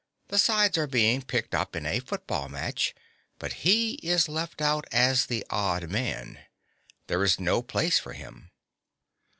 The sides are being picked up in a football match, (2) but he is left out as the odd man: there is no place for him.